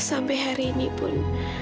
sampai hari ini pun